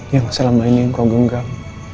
yang selama ini engkau genggam